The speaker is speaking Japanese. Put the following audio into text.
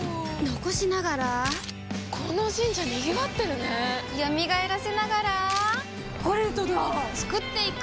残しながらこの神社賑わってるね蘇らせながらコレドだ創っていく！